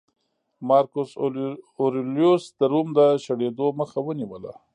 مارکوس اورلیوس د روم د شړېدو مخه ونیوله